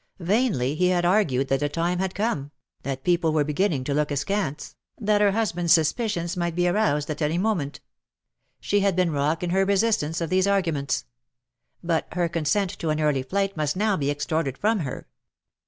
Vainly had he argued that the time had come — that people were beginning to look askance 238 '^ LOVE BORE SUCH BITTER — that her husband^s suspicions might be aroused at any moment. She had been rock in her resis tance of these arguments. But her consent to an early flight must now be extorted from her.